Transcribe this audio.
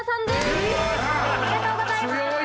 おめでとうございます！